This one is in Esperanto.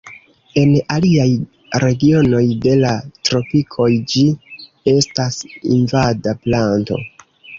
En aliaj regionoj de la Tropikoj ĝi estas invada planto.